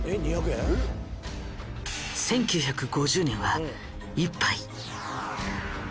１９５０年は一杯。